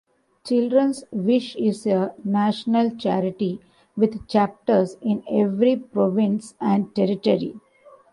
Children's Wish is a national charity with chapters in every province and territory.